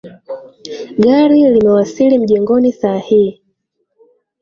Gari limewasili mjengoni saa hii.